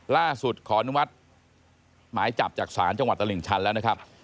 ขออนุมัติหมายจับจากศาลจังหวัดตลิ่งชันแล้วนะครับ